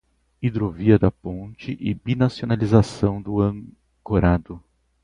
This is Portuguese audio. Hidrovia da ponte e binacionalização do ancorado